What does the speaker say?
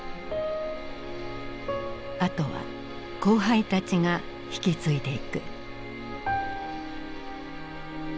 あとは後輩たちが引き継いでいく。